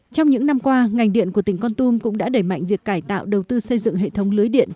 trong những năm qua ngành điện của tỉnh con tum cũng đã đẩy mạnh việc cải tạo đầu tư xây dựng hệ thống lưới điện